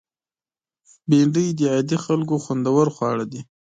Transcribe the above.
بېنډۍ د عادي خلکو خوندور خواړه دي